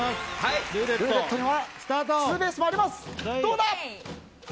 ルーレットにはツーベースもあります。